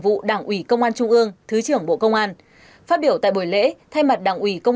vụ đảng ủy công an trung ương thứ trưởng bộ công an phát biểu tại buổi lễ thay mặt đảng ủy công